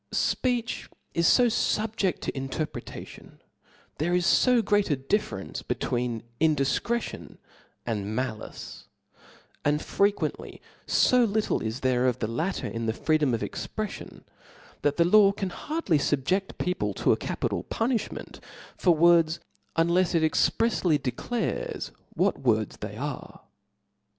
Speech is fb , fubjedl to interpretation •, there is fo great a diffe , rence between indifcretion and malice ; and fre quently fo little is there of the latter in the free dom of expreflion, that the law can hardly lbbje<fl people to a capital punifliment for words, unlefs it exprefsly declares what words they arc *.